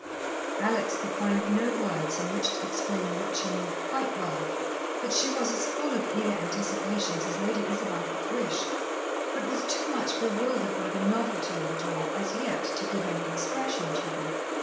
Alex could find no words in which to explain what she knew quite well, that she was as full of eager anticipations as Lady Isabel could wish, but was too much bewildered by the novelty of it all, as yet, to give any expression to them.